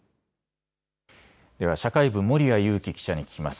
では社会部、守屋裕樹記者に聞きます。